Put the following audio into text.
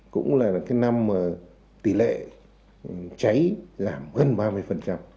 cũng là năm tỷ lệ cháy làm gần ba mươi